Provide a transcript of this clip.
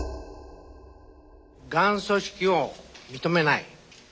ガン組織を認めない。